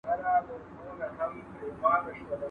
ژمی به تېر سي، مختوري به دېگدان ته پاته سي.